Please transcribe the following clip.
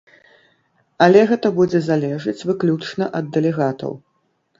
Але гэта будзе залежыць выключна ад дэлегатаў.